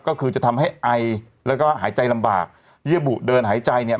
ก็คือจะทำให้ไอแล้วก็หายใจลำบากเยื่อบุเดินหายใจเนี่ย